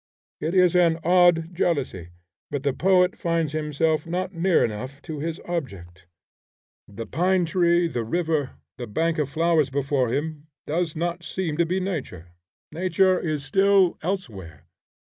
It is an odd jealousy, but the poet finds himself not near enough to his object. The pine tree, the river, the bank of flowers before him, does not seem to be nature. Nature is still elsewhere.